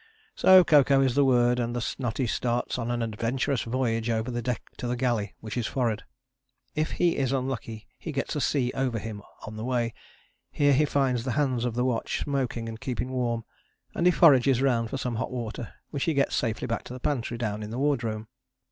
So cocoa is the word and the snotty starts on an adventurous voyage over the deck to the galley which is forrard; if he is unlucky he gets a sea over him on the way. Here he finds the hands of the watch, smoking and keeping warm, and he forages round for some hot water, which he gets safely back to the pantry down in the wardroom.